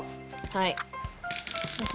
はい。